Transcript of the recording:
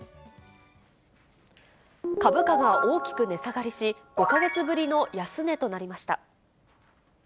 株価が大きく値下がりし、５か月ぶりの安値となりました。